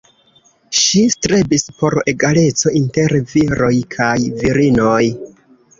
Ŝi strebis por egaleco inter viroj kaj virinoj.